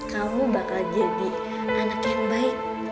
kamu bakal jadi anak yang baik